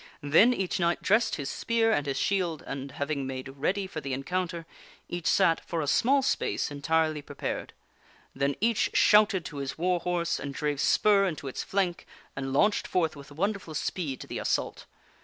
Then each knight King Arthur dressed his spear and his shield, and, having made ready for overthrows Sir the encounter, each sat for a small space entirely prepared. Then each shouted to his war horse, and drave spur into its flank, and launched forth with wonderful speed to the assault.